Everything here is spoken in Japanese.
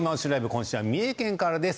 今週は三重県からです。